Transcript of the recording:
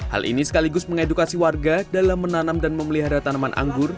hal ini sekaligus mengedukasi warga dalam menanam dan memelihara tanaman anggur